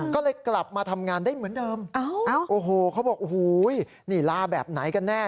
ก็เลยกลับมาทำงานได้เหมือนเดิมโอ้โหเขาบอกโอ้โหนี่ลาแบบไหนกันแน่